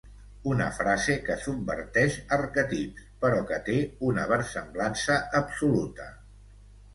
Una frase que subverteix arquetips però que té una versemblança absoluta.